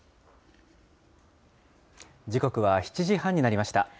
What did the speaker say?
時刻は７時半になりました。